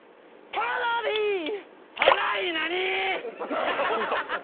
かなり何！？